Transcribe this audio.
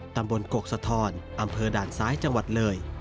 ตำบลกกสะทอนอำเภอด่านซ้ายจังหวัดเลย